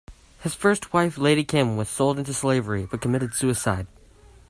His first wife Lady Kim was sold into slavery, but committed suicide.